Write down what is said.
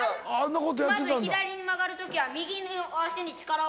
「まず左に曲がるときは右の足に力をかける」